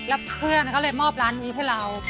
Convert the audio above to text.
แล้วเพื่อนก็เลยมอบร้านนี้ให้เรา